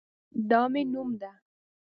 دا مې نوم ده